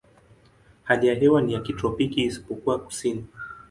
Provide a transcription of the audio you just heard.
Hali ya hewa ni ya kitropiki isipokuwa kusini.